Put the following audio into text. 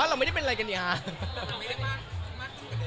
เราไม่ได้มาคุยกันเลยครับ